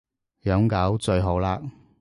養狗最好喇